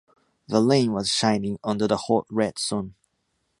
The lane was shining under the hot red sun.